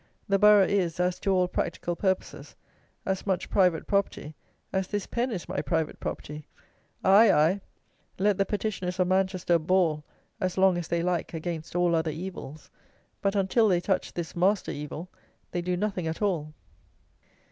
The borough is, as to all practical purposes, as much private property as this pen is my private property. Aye, aye! Let the petitioners of Manchester bawl, as long as they like, against all other evils; but, until they touch this master evil, they do nothing at all.